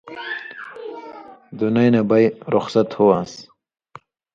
دُنَیں نہ بئ (رُخصت ہُو) آن٘س۔